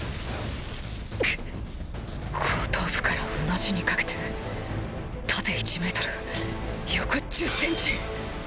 後頭部からうなじにかけて縦１ｍ横１０センチ。